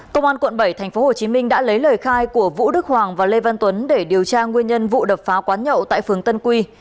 công an quận bảy tp hcm đã lấy lời khai của vũ đức hoàng và lê văn tuấn để điều tra nguyên nhân vụ đập phá quán nhậu tại phường tân quy